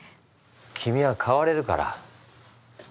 君は変われるから。